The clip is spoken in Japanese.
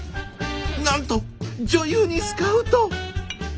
なんと女優にスカウト！